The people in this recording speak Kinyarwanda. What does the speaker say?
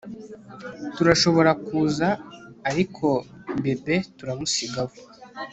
turashobora kuza ariko bebe turamusiga we